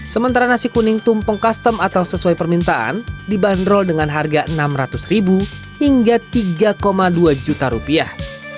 sementara nasi kuning tumpeng custom atau sesuai permintaan dibanderol dengan harga enam ratus ribu hingga tiga dua juta rupiah